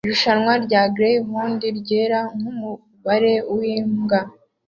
Irushanwa rya greyhound ryera nkumubare wimbwa